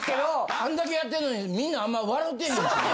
あんだけやってんのにみんなあんまり笑ってへんしね。